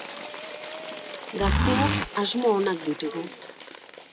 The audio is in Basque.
Gazteok asmo onak ditugu.